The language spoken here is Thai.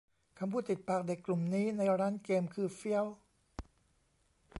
คำพูดติดปากเด็กกลุ่มนี้ในร้านเกม คือ เฟี้ยว